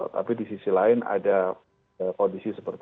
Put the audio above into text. tapi di sisi lain ada kondisi yang sangat berat